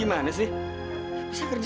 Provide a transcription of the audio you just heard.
saya nggak sengaja